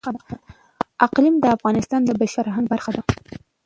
اقلیم د افغانستان د بشري فرهنګ برخه ده.